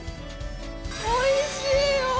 おいしいよ。